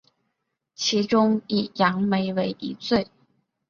其中以杨梅为一最。